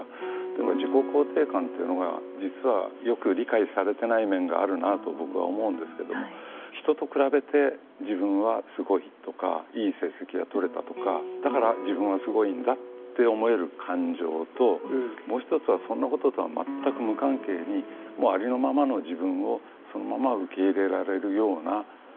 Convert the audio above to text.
でも自己肯定感というのが実は、よく理解されてない面があるなと僕は思うんですけども人と比べて、自分はすごいとかいい成績がとれたとかだから自分はすごいんだって思える感情と、もう１つはそんなこととは全く無関係にもうありのままの自分をそのまま受け入れられるような感覚。